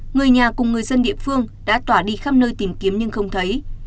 người nhà cùng người dân địa phương đã tỏa đi khắp nơi tìm kiếm nhưng không thấy